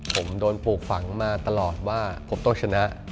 ผมโดนปลูกฝังมาตลอดว่าผมต้องชนะ